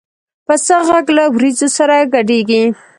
پسه غږ له وریځو سره ګډېږي.